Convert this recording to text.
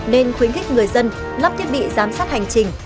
nên khuyến khích người dân lắp thiết bị giám sát hành trình